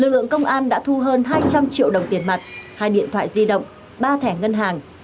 lực lượng công an đã thu hơn hai trăm linh triệu đồng tiền mặt hai điện thoại di động ba thẻ ngân hàng